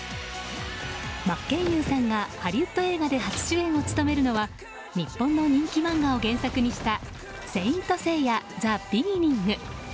真剣佑さんがハリウッド映画で初主演を務めるのは日本の人気漫画を原作にした「聖闘士星矢ＴｈｅＢｅｇｉｎｎｉｎｇ」。